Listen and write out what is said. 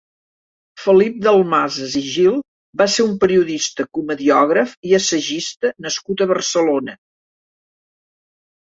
Felip Dalmases i Gil va ser un periodista, comediògraf i assagista nascut a Barcelona.